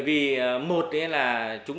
như vậy mật độ dân cư mật độ xây dựng